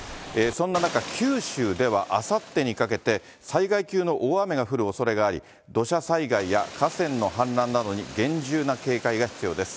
そんな中、九州ではあさってにかけて、災害級の大雨が降るおそれがあり、土砂災害や河川の氾濫などに厳重な警戒が必要です。